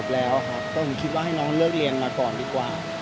แล้วก็ผมคิดว่าให้น้องเลิกเรียนมาก่อนดีกว่า